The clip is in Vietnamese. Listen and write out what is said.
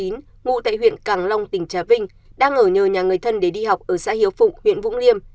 ngụ tại huyện càng long tỉnh trà vinh đang ở nhờ nhà người thân để đi học ở xã hiếu phụng huyện vũng liêm